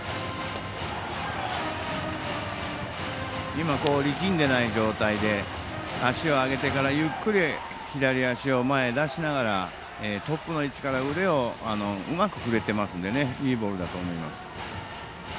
今、力んでいない状態で足を上げてからゆっくり左足を前に出しながらトップの位置から腕をうまく振れてますのでいいボールだと思います。